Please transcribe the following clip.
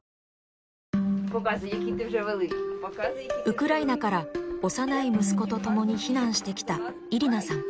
ウクライナから幼い息子と共に避難してきたイリナさん。